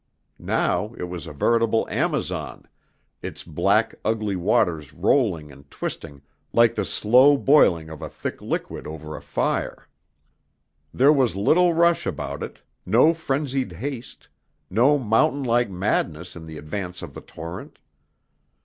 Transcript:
Now it was a veritable Amazon, its black, ugly waters rolling and twisting like the slow boiling of a thick liquid over a fire. There was little rush about it, no frenzied haste, no mountain like madness in the advance of the torrent.